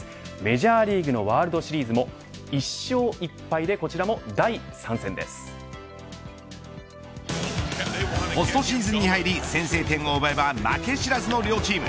メジャーリーグのワールドシリーズもポストシーズンに入り先制点を奪えば負け知らずの両チーム。